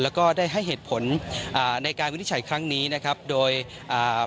แล้วก็ได้ให้เหตุผลอ่าในการวินิจฉัยครั้งนี้นะครับโดยอ่า